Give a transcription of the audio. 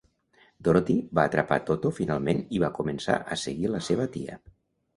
Dorothy va atrapar Toto finalment i va començar a seguir la seva tia.